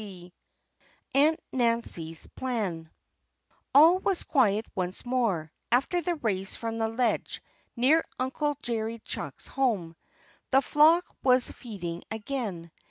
XVI AUNT NANCY'S PLAN All was quiet once more, after the race from the ledge near Uncle Jerry Chuck's home. The flock was feeding again.